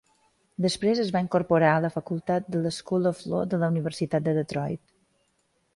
Després es va incorporar a la facultat de la School of Law de la Universitat de Detroit.